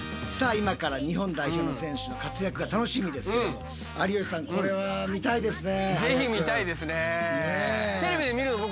今から日本代表の選手の活躍が楽しみですけども有吉さんこれは見たいですね。